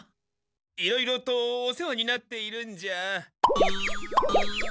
いろいろとお世話になっているんじゃ？